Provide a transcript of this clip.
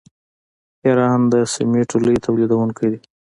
ایران د سمنټو لوی تولیدونکی دی.